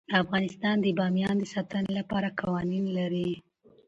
افغانستان د بامیان د ساتنې لپاره قوانین لري.